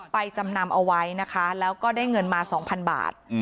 จำนำเอาไว้นะคะแล้วก็ได้เงินมา๒๐๐บาท